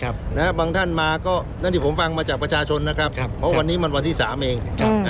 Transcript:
บางท่านมาก็นั่นที่ผมฟังมาจากประชาชนนะครับเพราะวันนี้มันวันที่๓เอง